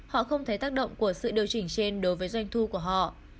họ không thấy tác động của sự điều chỉnh trên đối với doanh thu của họ